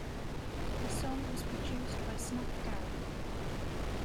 The song was produced by Snuff Garrett.